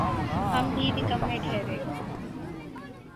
ہم بھی نکمّے ٹھہرے۔